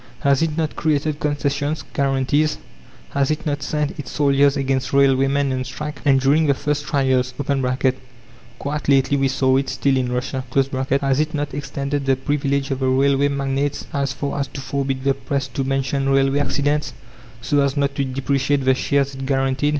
Has it not created concessions, guarantees? Has it not sent its soldiers against railwaymen on strike? And during the first trials (quite lately we saw it still in Russia), has it not extended the privilege of the railway magnates as far as to forbid the Press to mention railway accidents, so as not to depreciate the shares it guaranteed?